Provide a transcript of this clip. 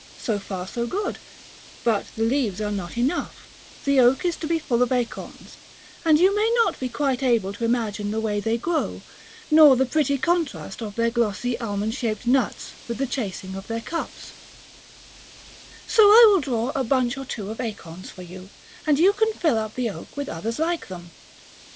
So far so good: but the leaves are not enough; the oak is to be full of acorns, and you may not be quite able to imagine the way they grow, nor the pretty contrast of their glossy almond shaped nuts with the chasing of their cups; so I will draw a bunch or two of acorns for you, and you can fill up the oak with others like them.